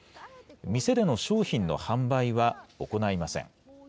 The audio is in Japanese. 店での商品の販売は行いません。